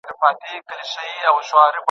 که موږ تاريخ ونه لولو، نو تېروتنې به تکرار کړو.